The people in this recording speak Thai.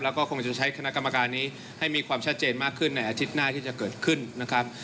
แล้วก็คงจะใช้คณะกรรมการนี้ให้มีความชัดเจนมากขึ้นในอาทิตย์หน้าที่จะเกิดขึ้นนะครับ